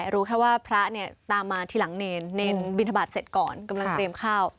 รู้แค่ว่าพระเนี่ยตามมาทีหลังเนรเนรบินทบาทเสร็จก่อนกำลังเตรียมข้าว